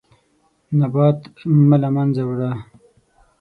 نبات مه له منځه وړه.